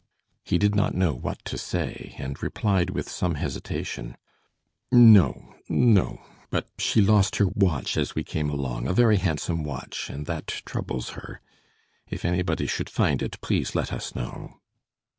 He did not know what to say, and replied with some hesitation: "No no but she lost her watch as we came along, a very handsome watch, and that troubles her. If anybody should find it, please let us know."